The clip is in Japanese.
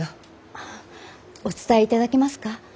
あっお伝えいただけますか？